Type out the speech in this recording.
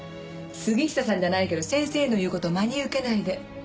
杉下さんじゃないけど先生の言う事を真に受けないで。